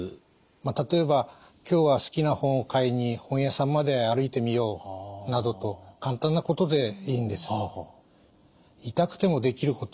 例えば今日は好きな本を買いに本屋さんまで歩いてみようなどと簡単なことでいいんです。